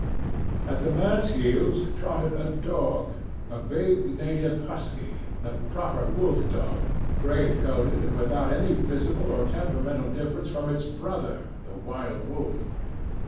At the man's heels trotted a dog, a big native husky, the proper wolf dog, grey coated and without any visible or temperamental difference from its brother, the wild wolf.